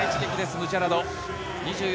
ムジャラド。